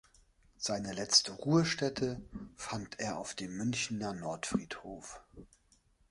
Seine letzte Ruhestätte fand er auf dem Münchner Nordfriedhof.